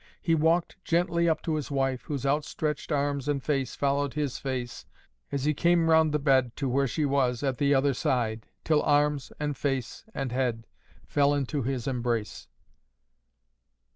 He walked gently up to his wife, whose outstretched arms and face followed his face as he came round the bed to where she was at the other side, till arms, and face, and head, fell into his embrace.